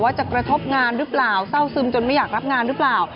จะกระทบงานหรือเปล่าเศร้าซึมจนไม่อยากรับงานหรือเปล่า